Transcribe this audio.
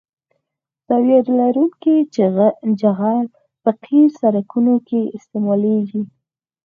زاویه لرونکی جغل په قیر سرکونو کې استعمالیږي